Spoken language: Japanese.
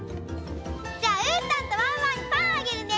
じゃあうーたんとワンワンにパンあげるね！